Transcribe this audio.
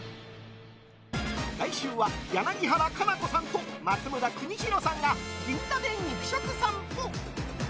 来週は柳原可奈子さんと松村邦洋さんが銀座で肉食さんぽ。